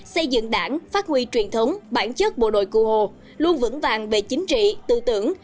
xây dựng đảng phát huy truyền thống bản chất bộ đội cụ hồ luôn vững vàng về chính trị tư tưởng